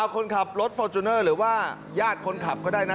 คนขับรถฟอร์จูเนอร์หรือว่าญาติคนขับก็ได้นะ